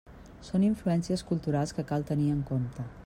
Són influències culturals que cal tenir en compte.